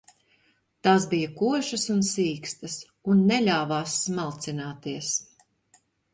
Tās bija košas un sīkstas un neļāvās smalcināties.